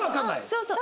そうそう。